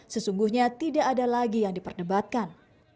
sesungguhnya tidak ada lagi yang diperdebatkan